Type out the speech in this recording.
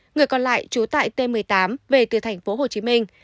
người còn lại trú tại t một mươi tám về từ thành phố hồ chí minh